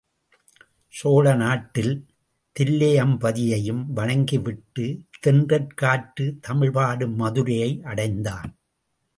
சோழ நாட்டில் தில்லையம்பதியையும் வணங்கி விட்டுத் தென்றற் காற்று தமிழ் பாடும் மதுரையை அடைந்தான்.